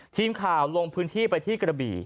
ทีมข่าวลงพื้นที่ไปที่กระบี่